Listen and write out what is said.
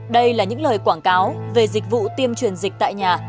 đây là những lời quảng cáo về dịch vụ tiêm truyền dịch tại nhà